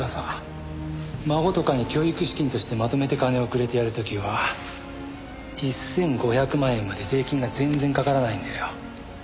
孫とかに教育資金としてまとめて金をくれてやる時は１５００万円まで税金が全然かからないんだよ。